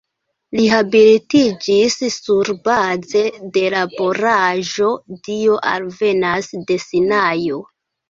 Li habilitiĝis surbaze de laboraĵo "Dio alvenas de Sinajo.